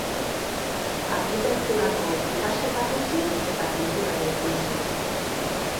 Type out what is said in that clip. Arkitekturako ikasketak utzi eta pinturari ekin zion.